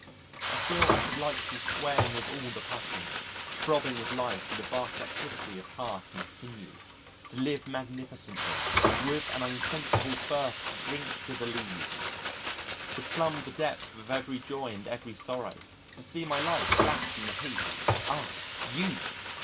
I feel I should like to be swaying with all the passions, throbbing with life and a vast activity of heart and sinew to live magnificently with an unquenchable thirst to drink to the lees, to plumb the depth of every joy and every sorrow, to see my life flash in the heat. Ah! Youth!